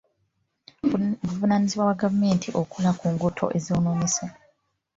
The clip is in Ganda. Buvunaanyizibwa bwa gavumenti okukola ku nguudo ezonoonese.